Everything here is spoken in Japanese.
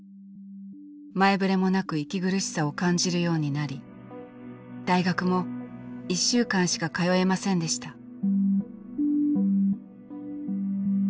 前触れもなく息苦しさを感じるようになり大学も１週間しか通えませんでした。